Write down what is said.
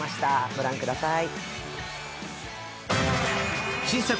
ご覧ください。